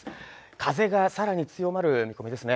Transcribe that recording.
風がさらに強まる見込みですね